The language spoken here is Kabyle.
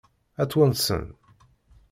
Ad t-wansen?